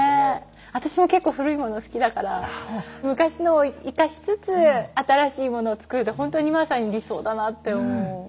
私も結構古いもの好きだから昔のを生かしつつ新しいものを作るってほんとにまさに理想だなって思う。